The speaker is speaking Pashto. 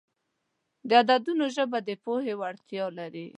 د عددونو ژبه د پوهې وړتیا لري.